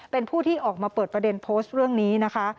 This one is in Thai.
เป็นผู้ที่ออกมาเปิดประเด็นโพสต์เรื่องนี้นะคะ